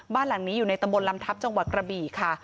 บ้านหลังนี้อยู่ในตำบลลำทัพจังหวัดกระบี่ค่ะ